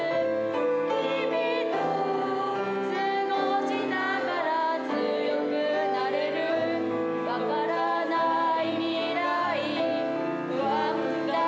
「君とすごしたから強くなれる」「わからない未来不安だらけでも」